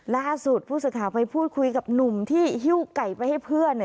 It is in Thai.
ล่าสุดผู้สื่อข่าวไปพูดคุยกับหนุ่มที่ฮิ้วไก่ไปให้เพื่อน